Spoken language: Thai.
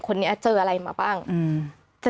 กำลังใจที่เรามีสถานการณ์อะไรที่มันอ่อนไหว